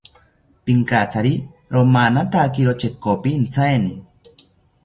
Pinkatsari romanatakiro chekopi intaeni